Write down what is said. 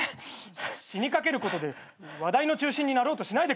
死にかけることで話題の中心になろうとしないでください。